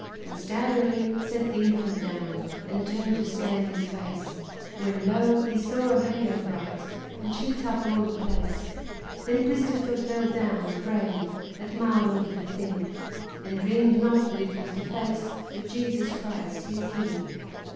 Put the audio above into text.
And, staggering, set the infant down, And turned to scan his face; When, lo! he saw a halo bright Which lit up all the place. Then Christopher fell down, afraid At marvel of the thing, And dreamed not that it was the face Of Jesus Christ, his King.